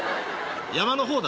山の方だ。